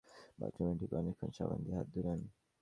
বাথরুমে ঢুকে অনেকক্ষণ সাবান দিয়ে হাত ধুলেন।